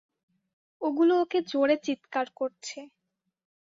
ওগুলো ওকে জোরে চিৎকার করছে।